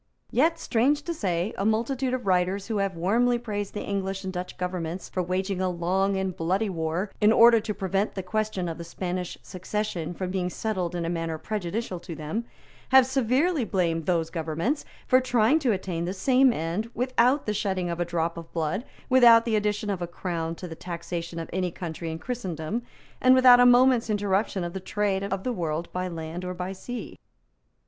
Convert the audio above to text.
Yet, strange to say, a multitude of writers who have warmly praised the English and Dutch governments for waging a long and bloody war in order to prevent the question of the Spanish succession from being settled in a manner prejudicial to them, have severely blamed those governments for trying to attain the same end without the shedding of a drop of blood, without the addition of a crown to the taxation of any country in Christendom, and without a moment's interruption of the trade of the world by land or by sea.